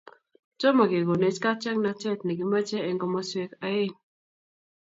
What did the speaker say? Tomo kekonech katiaknatet nikomoche eng komoswek aeng'